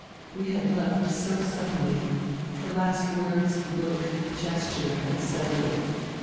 We had left so suddenly. Her last words, look, gesture had *' settled it.'